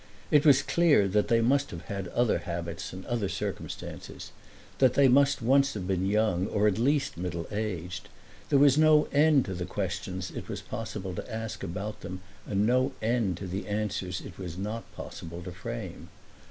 It was clear that they must have had other habits and other circumstances; that they must once have been young or at least middle aged. There was no end to the questions it was possible to ask about them and no end to the answers it was not possible to frame.